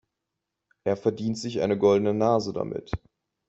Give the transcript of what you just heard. Er verdient sich eine goldene Nase damit.